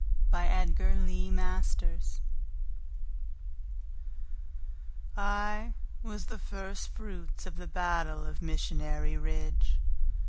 Knowlt Hoheimer I was the first fruits of the battle of Missionary Ridge.